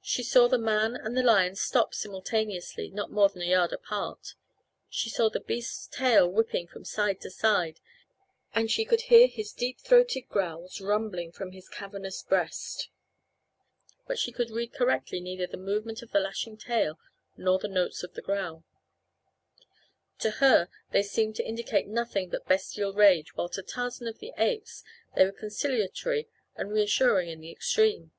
She saw the man and the lion stop simultaneously, not more than a yard apart. She saw the beast's tail whipping from side to side and she could hear his deep throated growls rumbling from his cavernous breast, but she could read correctly neither the movement of the lashing tail nor the notes of the growl. To her they seemed to indicate nothing but bestial rage while to Tarzan of the Apes they were conciliatory and reassuring in the extreme.